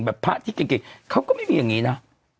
พระที่เก่งเขาก็ไม่มีอย่างนี้นะ